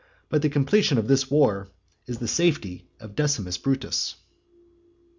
But the completion of this war is the safety of Decimus Brutus.